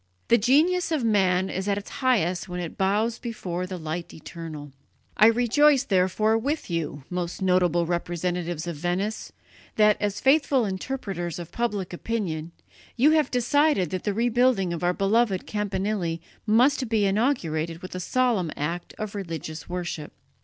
The genius of man is at its highest when it bows before the Light Eternal. I rejoice, therefore, with you, most noble representatives of Venice, that, as faithful interpreters of public opinion, you have decided that the rebuilding of our beloved campanile must be inaugurated with a solemn act of religious worship.